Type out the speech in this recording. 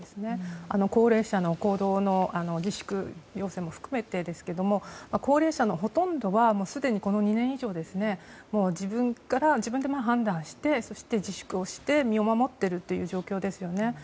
高齢者の行動の自粛要請も含めてですけれども高齢者のほとんどはすでにこの２年以上自分で判断してそして自粛して身を守っているという状況ですよね。